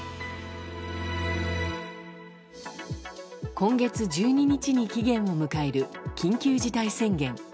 今月１２日に期限を迎える緊急事態宣言。